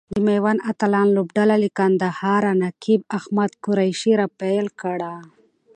د ميوند اتلان لوبډله له کندهاره نقیب احمد قریشي را پیل کړه.